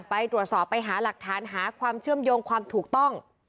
ไปตรวจสอบไปหาหลักฐานหาความเชื่อมโยงความถูกต้อง